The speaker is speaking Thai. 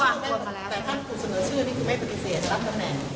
แต่ถ้าคุณเสนอชื่อนี่คือไม่ประกันเสียง